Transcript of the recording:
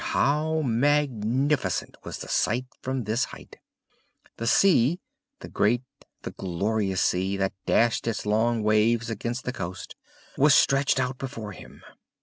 How magnificent was the sight from this height! The sea the great, the glorious sea, that dashed its long waves against the coast was stretched out before him.